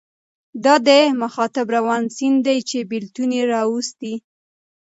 د ده مخاطب روان سیند دی چې بېلتون یې راوستی.